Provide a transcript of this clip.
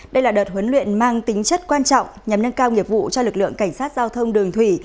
đây là đợt huấn luyện mang tính chất quan trọng nhằm nâng cao nghiệp vụ cho lực lượng cảnh sát giao thông đường thủy